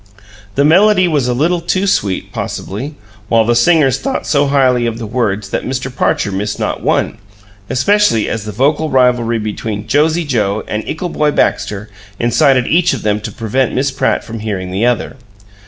The melody was a little too sweet, possibly; while the singers thought so highly of the words that Mr. Parcher missed not one, especially as the vocal rivalry between Josie Joe and Ickle Boy Baxter incited each of them to prevent Miss Pratt from hearing the other.